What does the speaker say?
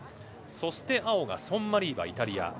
そして青ソンマリーバ、イタリア。